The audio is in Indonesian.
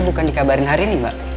bukan dikabarin hari ini mbak